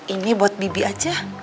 ini buat bibi aja